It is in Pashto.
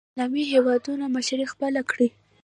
د اسلامي هېوادونو مشري خپله کړي